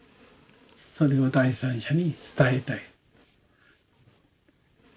それを第三者に伝えたい。